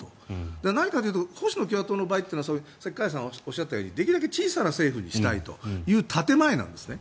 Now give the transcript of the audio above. だから、何かというと保守の共和党の場合はさっき加谷さんがおっしゃったようにできるだけ小さい政府にしたいという建前なんですね。